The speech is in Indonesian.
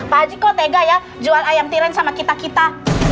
pak hajiko tega ya jual ayam tiren sama kita kita